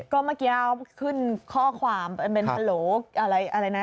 ก็เมื่อกี้ขึ้นข้อความเป็นฮัลโหลอะไรนะ